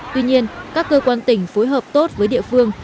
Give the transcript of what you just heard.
tuy nhiên các cơ quan tỉnh phối hợp tốt với địa phương